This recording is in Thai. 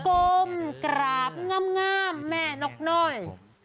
โอ้มกราบง่ำแม่นกน้อย